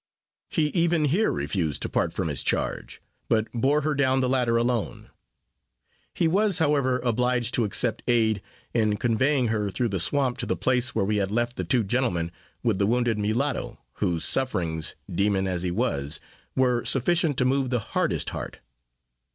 He even here refused to part from his charge, but bore her down the ladder alone. He was, however, obliged to accept aid, in conveying her through the swamp to the place where we had left the two gentlemen with the wounded mulatto, whose sufferings, demon as he was, were sufficient to move the hardest heart.